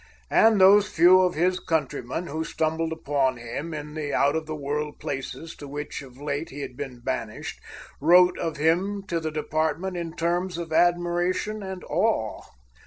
And those few of his countrymen, who stumbled upon him in the out of the world places to which of late he had been banished, wrote of him to the department in terms of admiration and awe.